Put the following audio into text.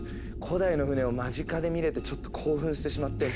古代の船を間近で見れてちょっと興奮してしまって。